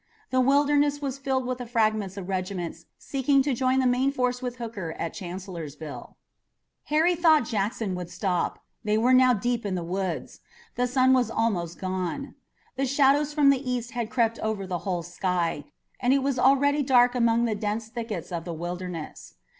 The Wilderness was filled with the fragments of regiments seeking to join the main force with Hooker at Chancellorsville. Harry thought Jackson would stop. They were now in the deep woods. The sun was almost gone. The shadows from the east had crept over the whole sky, and it was already dark among the dense thickets of the Wilderness.